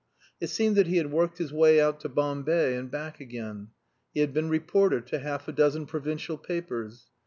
It seemed that he had worked his way out to Bombay and back again. He had been reporter to half a dozen provincial papers.